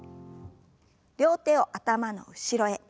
両手を頭の後ろへ。